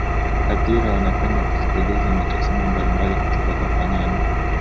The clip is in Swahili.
hadhira wanapenda kusikia mitazamo mbalimbali kutoka kwa fanani